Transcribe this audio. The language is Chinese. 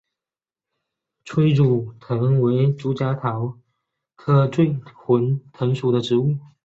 催乳藤为夹竹桃科醉魂藤属的植物。